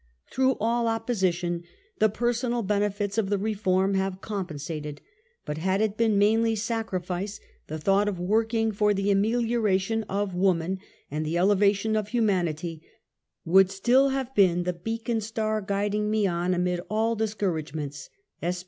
Through all opposition the personal benefits of the reform have compensated ; but had it been mainly sacrifice, the thought of working for the amelioration of woman and the elevation of humanity would still have been the beacon star guiding me on amid all discourage ments. S.